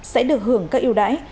sẽ được hưởng các ưu đãi